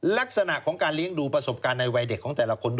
ลักษณะของการเลี้ยงดูประสบการณ์ในวัยเด็กของแต่ละคน